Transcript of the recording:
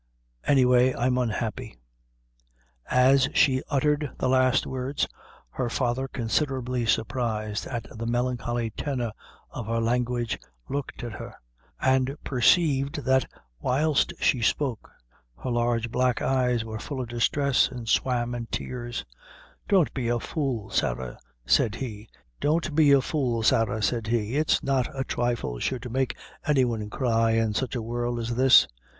Any way I'm unhappy." As she uttered the last words, her father, considerably surprised at the melancholy tenor of her language, looked at her, and perceived that, whilst she spoke, her large black eyes were full of distress, and swam in tears. "Don't be a fool, Sarah," said he, "it's not a thrifle should make any one cry in sich a world as this.